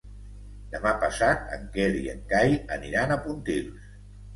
Demà passat en Quer i en Cai aniran a Pontils.